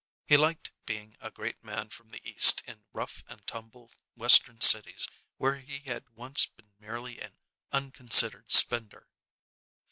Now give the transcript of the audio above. He liked being a great man from the East in rough and tumble Western cities where he had once been merely an unconsidered spender.